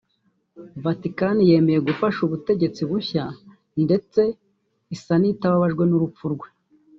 Vaticani yemeye gufasha ubutegetsi bushya ndetse isa n’itababajwe n’urupfu rwe